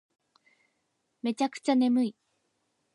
めちゃくちゃ眠い